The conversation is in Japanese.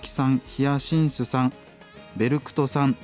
ヒヤシンスさんベルクトさんコウさん